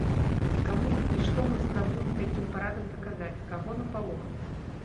І каму ды што мы спрабуем такім парадам даказаць, каго напалохаць?